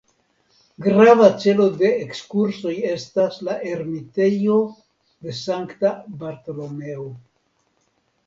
Grava celo de ekskursoj estas la ermitejo de Sankta Bartolomeo.